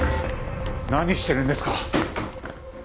何してるんですか？